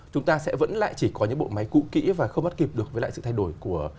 chúng ta sẽ vẫn lại chỉ có những bộ máy cũ kỹ và không bắt kịp được với lại sự thay đổi của